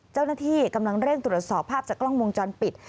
เจ้าหน้าที่กำลังเร่งตรวจสอบภาพจากกล้องวงจรปิด